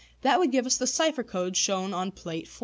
That would give us the cipher code shown on Plate IV.